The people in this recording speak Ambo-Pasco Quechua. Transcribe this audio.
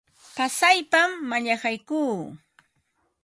Pasaypam mallaqaykuu.